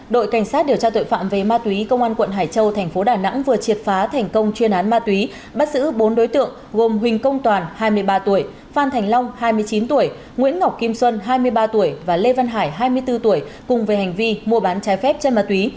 đội cảnh sát điều tra tội phạm về ma túy công an quận hải châu thành phố đà nẵng vừa triệt phá thành công chuyên án ma túy bắt giữ bốn đối tượng gồm huỳnh công toàn hai mươi ba tuổi phan thành long hai mươi chín tuổi nguyễn ngọc kim xuân hai mươi ba tuổi và lê văn hải hai mươi bốn tuổi cùng về hành vi mua bán trái phép chân ma túy